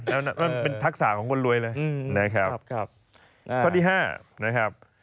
แล้วนั่นเป็นทักษะของคนรวยเลยนะครับข้อที่ห้านะครับ